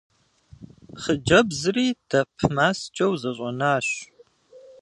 Хъыджэбзри дэп маскӏэу зэщӏэнащ.